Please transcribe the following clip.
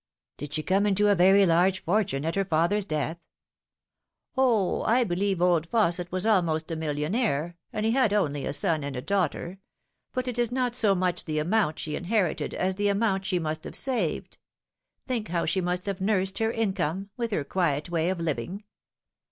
"Did she come into a very large fortune at her father's death?" " O, I believe old Fausset was almost a millionaire, and he had only a son and a daughter. But it is not so much the amount she inherited as the amount she must have saved. Think how she must have nursed her income, with her quiet way of living